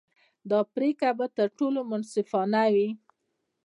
دا پرېکړه به تر ټولو منصفانه وي.